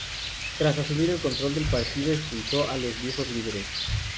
Tras asumir el control del partido expulsó a los viejos líderes.